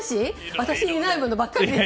私にないものばっかりです。